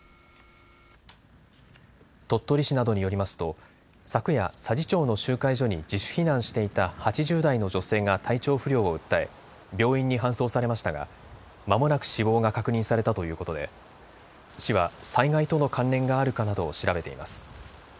鳥取市などによりますと昨夜、佐治町の集会所に自主避難していた８０代の女性が体調不良を訴え、病院に搬送されましたがまもなく死亡が確認されたということで市は災害との関連があるかなどを調べています。